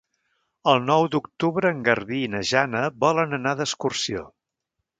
El nou d'octubre en Garbí i na Jana volen anar d'excursió.